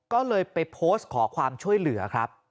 ก็เลยไปโพสต์ขอความช่วยเหลือครับ